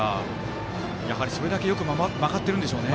やはりそれだけ曲がっているんですね。